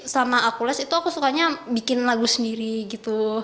selama aku les aku sukanya bikin lagu sendiri